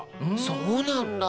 そうなんだ。